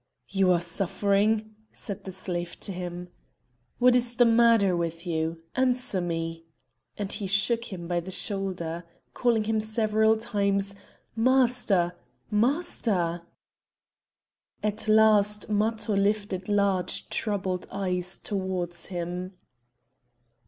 "You are suffering?" said the slave to him. "What is the matter with you? Answer me?" And he shook him by the shoulder calling him several times, "Master! master!" At last Matho lifted large troubled eyes towards him.